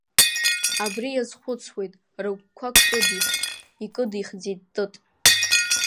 Абри иазхәыцуеит, рыгәқәа кыдихт, икыдихӡеит Тыт.